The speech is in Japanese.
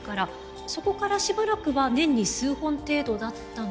そこからしばらくは年に数本程度だったのが。